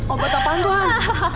obat apaan tuh han